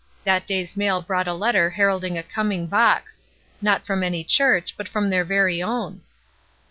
That day's mail brought a letter heralding a coming box; not from any church but from their very own.